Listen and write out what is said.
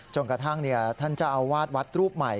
จนกระทั่งท่านเจ้าอาวาสวัดรูปใหม่